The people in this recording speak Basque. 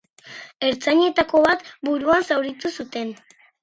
Ertzainetako bat buruan zauritu zuten.